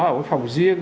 ở một phòng riêng